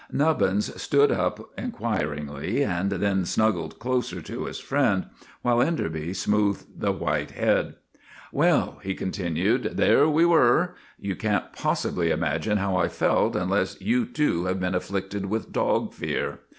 Nubbins looked up inquiringly, and then snug i 4 GULLIVER THE GREAT gled closer to his friend, while Enderby smoothed the white head. " Well," he continued, " there we were. You can't possibly imagine how I felt unless you, too, have been afflicted with dog fear.